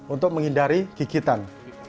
untuk menghindari gigitan